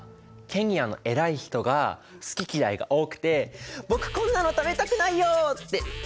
ケニアの偉い人が好き嫌いが多くて「僕こんなの食べたくないよ！」って言ったからでしょ。